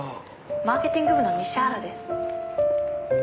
「マーケティング部の西原です」